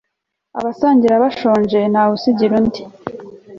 abasangira bashonje ntawusigariza undi